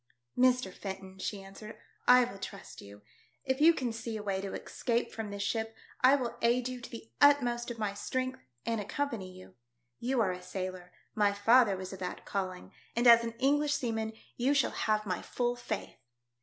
" Mr. Fenton," she answered, " I will trust you. If you can see a way to escape from this ship I will aid you to the utmost of my strength and accompany you. You are a sailor ; my father was of that calling, and as an English seaman you shall have my full faith."